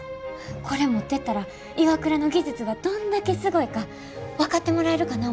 これ持ってったらＩＷＡＫＵＲＡの技術がどんだけすごいか分かってもらえるかな思て。